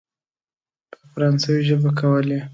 په فرانسوي ترجمه کولې.